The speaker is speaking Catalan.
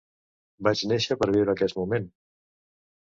Vaig néixer per viure aquest moment.